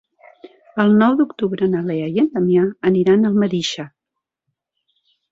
El nou d'octubre na Lea i en Damià aniran a Almedíxer.